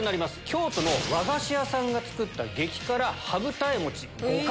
京都の和菓子屋さんが作った激辛羽二重餅５辛。